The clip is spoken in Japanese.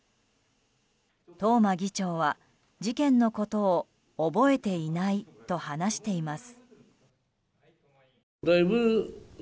東間議長は、事件のことを覚えていないと話しています。